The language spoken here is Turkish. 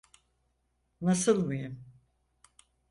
Nasıl mıyım?